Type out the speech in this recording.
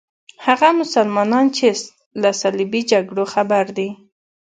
هغه مسلمانان چې له صلیبي جګړو خبر دي.